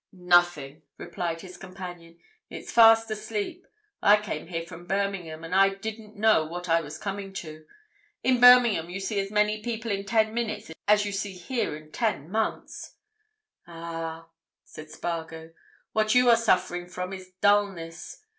"Nothing!" replied his companion. "It's fast asleep. I came here from Birmingham, and I didn't know what I was coming to. In Birmingham you see as many people in ten minutes as you see here in ten months." "Ah!" said Spargo. "What you are suffering from is dulness.